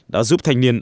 đã giúp thanh niên